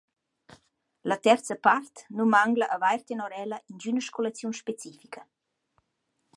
La terza part nu mangla avair tenor ella ingüna scolaziun specifica.